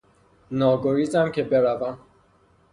ناگزیرم که بروم.